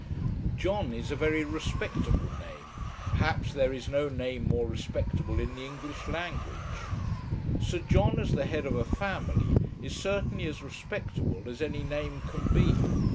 John is a very respectable name; perhaps there is no name more respectable in the English language. Sir John, as the head of a family, is certainly as respectable as any name can be.